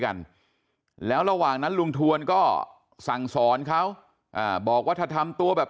กันแล้วระหว่างนั้นลุงทวนก็สั่งสอนเขาอ่าบอกว่าถ้าทำตัวแบบ